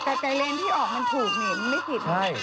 แต่เลนที่ออกมันถูกเนี่ยมันไม่ผิด